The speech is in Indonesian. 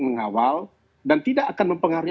mengawal dan tidak akan mempengaruhi